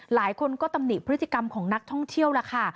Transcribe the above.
หลายคนก็ตำหนิพฤติกรรมของนักท่องเที่ยวล่ะค่ะ